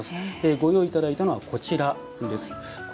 ご用意いただいたのはこちらです。